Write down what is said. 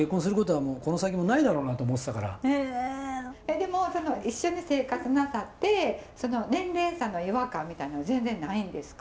でも一緒に生活なさって年齢差の違和感みたいなの全然ないんですか？